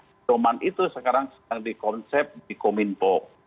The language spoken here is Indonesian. pedoman itu sekarang dikonsep di kominpo